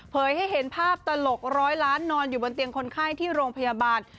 ให้เห็นภาพตลกร้อยล้านนอนอยู่บนเตียงคนไข้ที่โรงพยาบาล